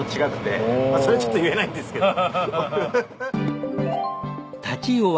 それはちょっと言えないんですけど。